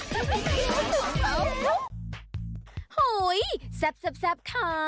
แชร์แรกแชร์เพียงกว่า